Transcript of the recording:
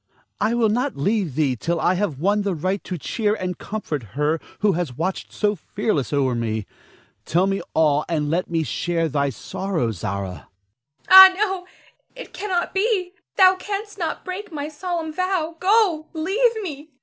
I will not leave thee till I have won the right to cheer and comfort her who has watched so fearlessly o'er me. Tell me all, and let me share thy sorrow, Zara. Zara. Ah, no! It cannot be! Thou canst not break my solemn vow. Go! leave me!